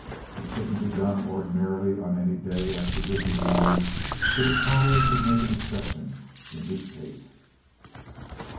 It couldn't be done ordinarily on any day after business hours; but his father would make an exception in his case.